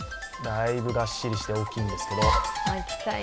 だいぶがっしりして大きいんですけど。